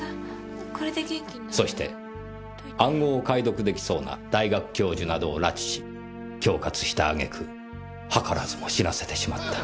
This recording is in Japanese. そして暗号を解読出来そうな大学教授などを拉致し恐喝したあげく図らずも死なせてしまった。